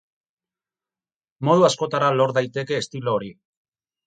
Modu askotara lor daiteke estilo hori.